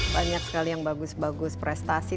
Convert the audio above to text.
banyak sekali yang bagus bagus prestasi